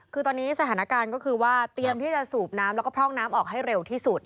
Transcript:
คือตอนนี้สถานการณ์ก็คือว่าเตรียมที่จะสูบน้ำแล้วก็พร่องน้ำออกให้เร็วที่สุด